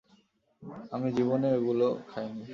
আমি জীবনেও এগুলো খাইনি।